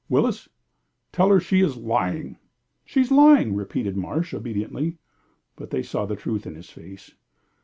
"Willis, tell her she is lying!" "She's lying!" Marsh repeated, obediently; but they saw the truth in his face.